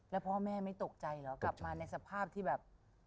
แล้วพ่อแม่ไม่ตกใจเหรอกลับมาในสภาพที่แบบ